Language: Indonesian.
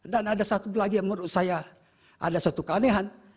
dan ada satu lagi yang menurut saya ada satu keanehan